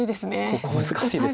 ここ難しいです。